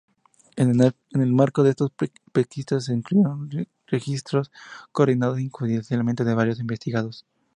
En el marco de estas pesquisas se incluyeron registros coordinados judicialmente de varios investigados.